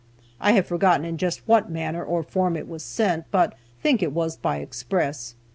(I have forgotten in just what manner or form it was sent, but think it was by express.)